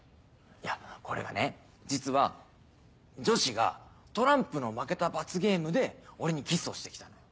いやこれがね実は女子がトランプの負けた罰ゲームで俺にキスをしてきたのよ。